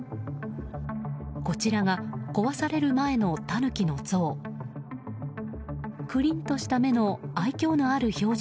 こちらが壊される前のタヌキの像。